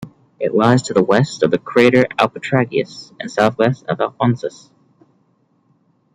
It lies to the west of the crater Alpetragius, and southwest of Alphonsus.